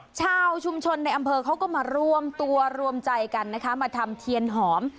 ชาวชุมชนในอำเภอเขาก็มารวมตัวรวมใจกันนะคะมาทำเทียนหอม